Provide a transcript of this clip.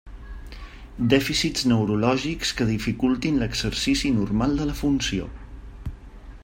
Dèficits neurològics que dificultin l'exercici normal de la funció.